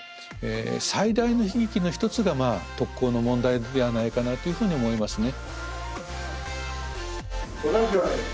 最大の悲劇の一つが特攻の問題ではないかなというふうに思いますね。